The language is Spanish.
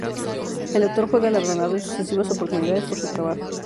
El autor fue galardonado en sucesivas oportunidades por su trabajo.